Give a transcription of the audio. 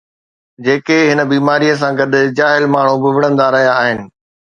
جيڪي هن بيماريءَ سان گڏ جاهل ماڻهو به وڙهندا رهيا آهن